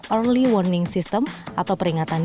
early warning system atau peringatan